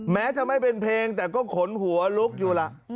แม้จะไม่เป็นเพลงแต่ก็ขนหัวลุกอยู่ล่ะ